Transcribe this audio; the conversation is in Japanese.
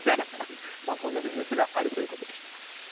こんなビジネスがあるということでした。